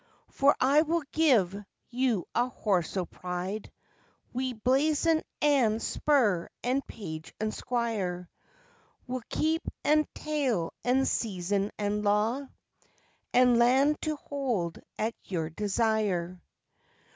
"For I will give you a horse o' pride, Wi' blazon and spur and page and squire; Wi' keep and tail and seizin and law, And land to hold at your desire."